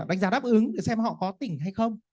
đánh giá đáp ứng để xem họ có tỉnh hay không